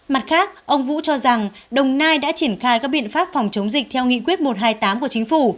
mặt khác ông vũ cho rằng đồng nai đã triển khai các biện pháp phòng chống dịch theo nghị quyết một trăm hai mươi tám của chính phủ